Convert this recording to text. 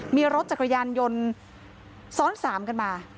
มีรถจักรยานยนต์ซ้อน๓กันมา